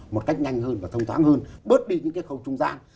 một cách nhanh hơn và thông thoáng hơn bớt đi những cái khâu trung gian